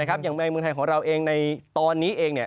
อย่างในเมืองไทยของเราเองในตอนนี้เอง